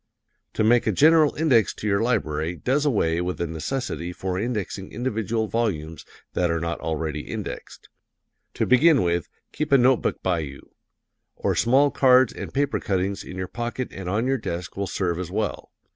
To make a general index to your library does away with the necessity for indexing individual volumes that are not already indexed. To begin with, keep a note book by you; or small cards and paper cuttings in your pocket and on your desk will serve as well.